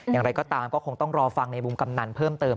อย่างไรก็ตามก็คงต้องรอฟังในมุมกำนันเพิ่มเติม